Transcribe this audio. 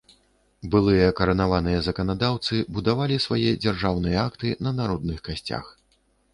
Былыя каранаваныя заканадаўцы будавалі свае дзяржаўныя акты на народных касцях.